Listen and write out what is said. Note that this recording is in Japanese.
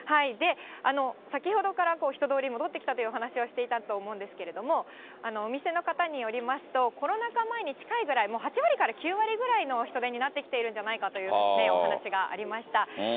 先ほどから人通り戻ってきたというお話しされていたと思うんですけれども、お店の方によりますと、コロナ禍前に近いぐらい、もう８割から９割ぐらいの人出になってきているんじゃないかというお話がありました。